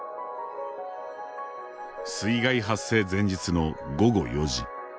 水害発生前日の午後４時。